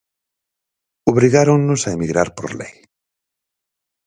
Obrigáronnos a emigrar por lei.